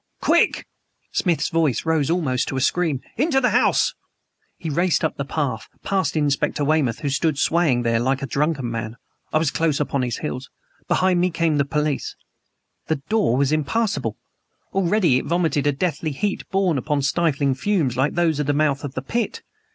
"QUICK!" Smith's voice rose almost to a scream "into the house!" He raced up the path, past Inspector Weymouth, who stood swaying there like a drunken man. I was close upon his heels. Behind me came the police. The door was impassable! Already, it vomited a deathly heat, borne upon stifling fumes like those of the mouth of the Pit.